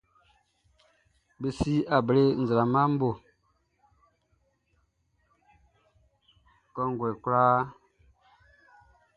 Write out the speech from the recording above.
Be si able nzraamaʼm be bo lɔ kɔnguɛ kwlaa.